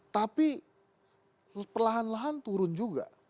tapi perlahan lahan turun juga